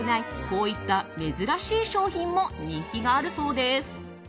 こういった珍しい商品も人気があるそうです。